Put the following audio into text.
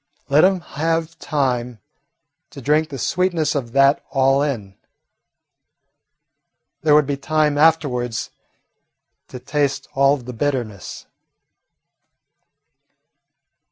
Let him have time to drink the sweetness of that all in. There would be time afterwards to taste all of the bitterness.